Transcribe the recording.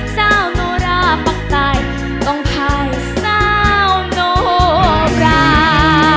เศร้าโนราปักตายต้องพายเศร้าโนบรา